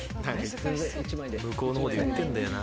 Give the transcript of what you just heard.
向こうのほうで言ってんだよな。